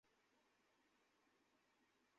চোখ তুলে একবার দেখেনি পর্যন্ত।